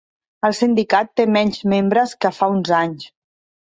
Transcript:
El sindicat té menys membres que fa uns anys.